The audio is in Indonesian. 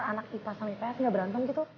anak ipa sama ips gak berantem gitu